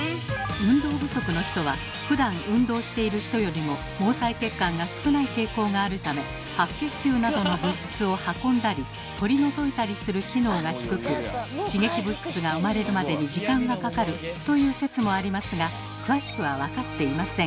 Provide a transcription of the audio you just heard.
運動不足の人はふだん運動している人よりも毛細血管が少ない傾向があるため白血球などの物質を運んだり取り除いたりする機能が低く刺激物質が生まれるまでに時間がかかるという説もありますが詳しくは分かっていません。